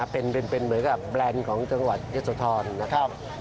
เป็นเหมือนกับแบรนด์ของเจ้าหวัดยศโทษธรณ์นะครับ